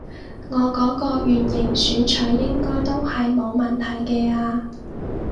我嗰個圓形選取應該都係冇問題嘅啊